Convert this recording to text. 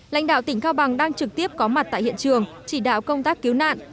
lãnh đạo tỉnh cao bằng đang trực tiếp có mặt tại hiện trường chỉ đạo công tác cứu nạn